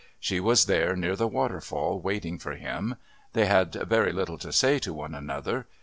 She was there near the waterfall waiting for him; they had very little to say to one another.